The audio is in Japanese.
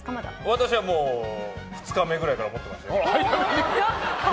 私はもう２日目ぐらいから思ってますよ。